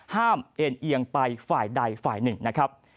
เอ็นเอียงไปฝ่ายใดฝ่ายหนึ่งนะครับ